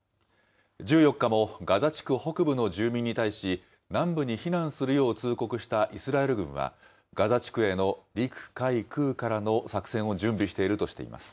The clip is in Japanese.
１４日もガザ地区北部の住民に対し、南部に避難するよう通告したイスラエル軍は、ガザ地区への陸海空からの作戦を準備しているとしています。